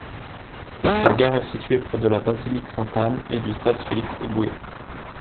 La gare est située près de la Basilique Sainte Anne et du stade Félix-Éboué.